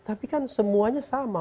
tapi kan semuanya sama